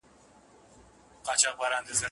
نه پانوس نه یې لمبه وي نه رنګونه د ستایلو